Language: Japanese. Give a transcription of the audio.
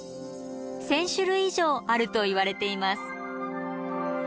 １，０００種類以上あるといわれています。